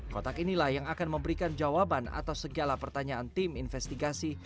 kotak inilah yang akan memberikan jawaban atas segala pertanyaan tim investigasi